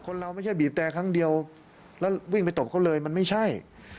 เราไม่ใช่บีบแต่ครั้งเดียวแล้ววิ่งไปตบเขาเลยมันไม่ใช่